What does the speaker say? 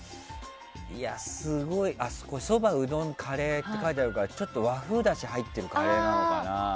そば、うどん、カレーって書いてるからちょっと和風だしが入ってるカレーなのかな。